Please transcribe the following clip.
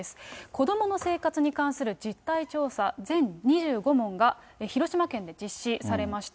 子供の生活に関する実態調査、全２５問が広島県で実施されました。